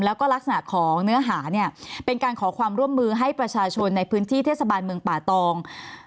แล้วก็ลักษณะของเนื้อหาเนี่ยเป็นการขอความร่วมมือให้ประชาชนในพื้นที่เทศบาลเมืองป่าตอง